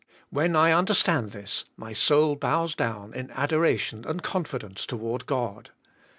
When I under stand this, my soul bows down in adoration and confidence toward God.